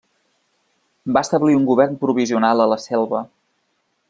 Va establir un govern provisional a la selva.